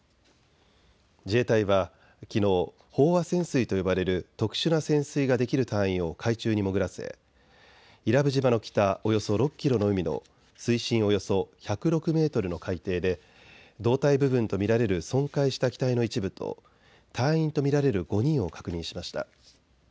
自衛隊はきのう飽和潜水と呼ばれる特殊な潜水ができる隊員を海中に潜らせ伊良部島の北およそ６キロの海の水深およそ１０６メートルの海底で胴体部分と見られる損壊した機体の一部と隊員と見られる５人を確認しました。